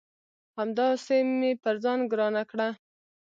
همداسي مې پر ځان ګرانه کړه